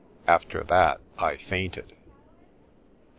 After that I fainted.